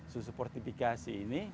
susu portifikasi ini